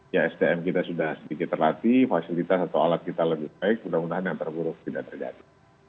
ya sdm kita sudah sedikit terlatih fasilitas atau alat kita lebih baik mudah mudahan yang terburuk tidak terjadi